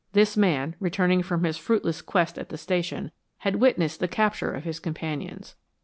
This man, returning from his fruitless quest at the station, had witnessed the capture of his companions.